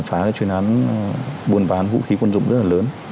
phá cái chuyến án buôn bán vũ khí quân dụng rất là lớn